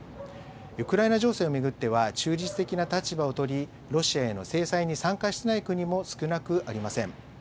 ウクライナ情勢を巡っては、中立的な立場を取り、ロシアへの制裁に参加していない国も少なくありません。